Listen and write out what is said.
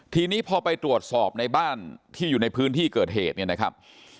ทีนี้พอไปตรวจสอบในบ้านที่อยู่ในพื้นที่เกิดเหตุเนี่ยนะครับ